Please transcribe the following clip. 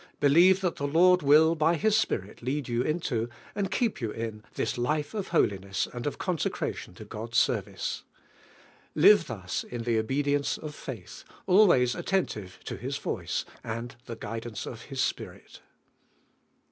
Relieve that the Lord will by nis Spirit lead you into, and keep you in this life of holiness and of cimsccrai ion lo God's service. Live lims in the obedience of faith, always atten tive to His voice, and the guidance of His Spirit.